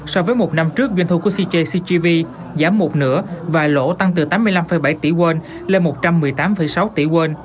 so với một năm trước doanh thu của cjc ccgv giảm một nửa và lỗ tăng từ tám mươi năm bảy tỷ won lên một trăm một mươi tám sáu tỷ won